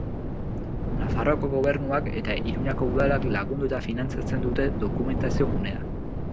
Nafarroako Gobernuak eta Iruñeko Udalak lagundu eta finantzatzen dute Dokumentazio Gunea.